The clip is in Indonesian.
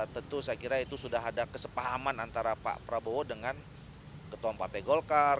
tentu saya kira itu sudah ada kesepahaman antara pak prabowo dengan ketua partai golkar